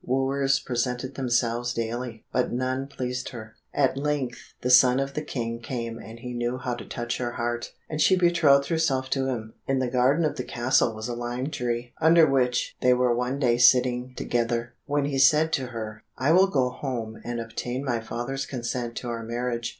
Wooers presented themselves daily, but none pleased her. At length the son of the King came and he knew how to touch her heart, and she betrothed herself to him. In the garden of the castle was a lime tree, under which they were one day sitting together, when he said to her, "I will go home and obtain my father's consent to our marriage.